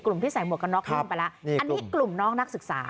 ที่ใส่หมวกกันน็อกเพิ่มไปแล้วอันนี้กลุ่มน้องนักศึกษา